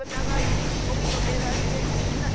「ゴミをへらしてみんなイキイキ！」